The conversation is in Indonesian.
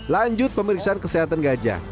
lanjut pemeriksaan kesehatan gajah